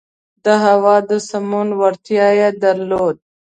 د هوا د سمون وړتیا یې درلوده.